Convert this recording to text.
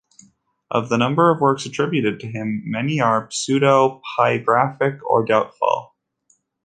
Of the number of works attributed to him, many are pseudepigraphic or doubtful.